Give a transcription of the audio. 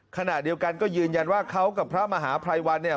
ขณะเดียวกันก็ยืนยันว่าเขากับพระมหาภัยวันเนี่ย